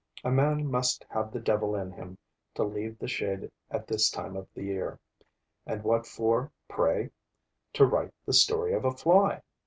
A man must have the devil in him to leave the shade at this time of the year. And what for, pray? To write the story of a fly!